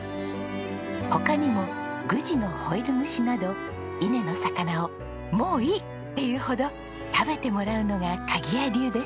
他にもぐじのホイル蒸しなど伊根の魚をもういいっていうほど食べてもらうのが鍵屋流です。